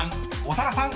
長田さん